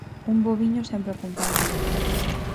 Un bo viño sempre acompaña.